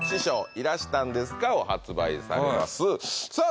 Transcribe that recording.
いらしたんですか」を発売されますさあ